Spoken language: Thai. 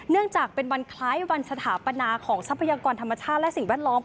เนื่องจากเป็นวันคล้ายวันสถาปนาของทรัพยากรธรรมชาติและสิ่งแวดล้อม